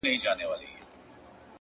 ریښتینی قوت د ځان کنټرول کې دی!